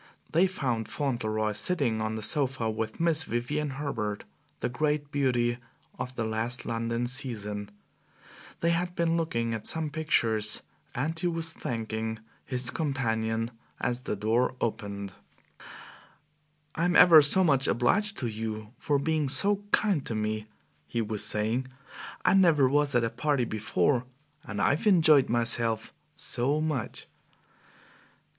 They found Fauntleroy sitting on the sofa with Miss Vivian Herbert, the great beauty of the last London season; they had been looking at some pictures, and he was thanking his companion as the door opened. "I'm ever so much obliged to you for being so kind to me!" he was saying; "I never was at a party before, and I've enjoyed myself so much!"